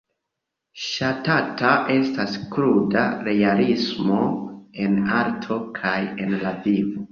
Ŝatata estas kruda realismo, en arto kaj en la vivo.